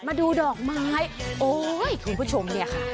มาดูดอกไม้โอ้ยคุณผู้ชมเนี่ยค่ะ